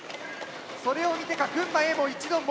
それを見てか群馬Ａも一度戻りました。